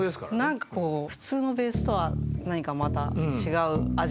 なんか普通のベースとは何かまた違う味わいが。